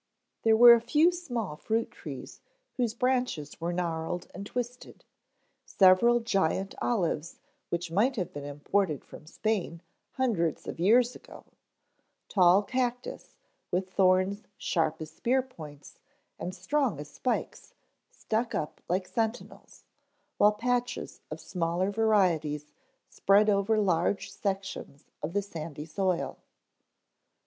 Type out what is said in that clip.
There were a few small fruit trees whose branches were gnarled and twisted; several giant olives which might have been imported from Spain hundreds of years ago; tall cactus with thorns sharp as spear points and strong as spikes stuck up like sentinels, while patches of smaller varieties spread over large sections of the sandy soil.